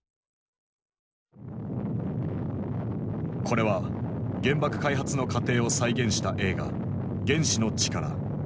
これは原爆開発の過程を再現した映画「原子の力」。